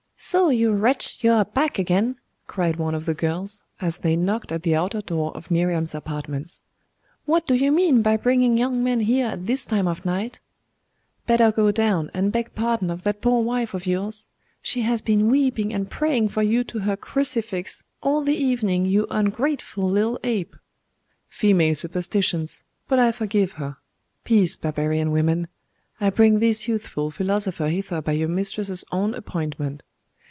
'So' you wretch, you are back again!' cried one of the girls, as they knocked at the outer door of Miriam's apartments. 'What do you mean by bringing young men here at this time of night?' 'Better go down, and beg pardon of that poor wife of yours. She has been weeping and praying for you to her crucifix all the evening, you ungrateful little ape!' 'Female superstitions but I forgive her. Peace, barbarian women! I bring this youthful philosopher hither by your mistress's own appointment.